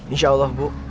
insya allah bu